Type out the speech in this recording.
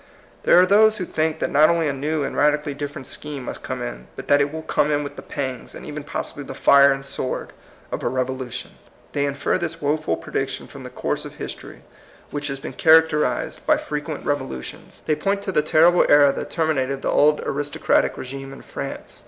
There are those who think that not only a new and radically different scheme must come in, but that it will come in with the pangs, and even possibly the fii*e and sword, of a revolution. They infer this woful prediction from the course of his tory, which has been characterized by fre 156 THE COMING PEOPLE. quent revolutions. They point to the terrible era that terminated the old aristo cratic rSgime in France.